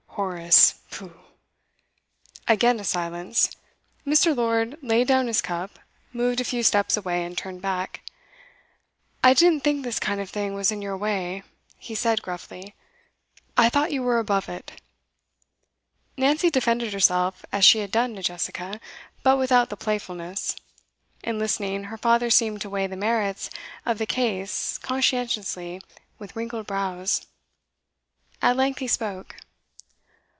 'Horace pooh!' Again a silence. Mr. Lord laid down his cup, moved a few steps away, and turned back. 'I didn't think this kind of thing was in your way,' he said gruffly. 'I thought you were above it.' Nancy defended herself as she had done to Jessica, but without the playfulness. In listening, her father seemed to weigh the merits of the case conscientiously with wrinkled brows. At length he spoke.